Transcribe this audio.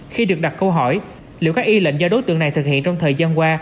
khi được đặt câu hỏi liệu các y lệnh do đối tượng này thực hiện trong thời gian qua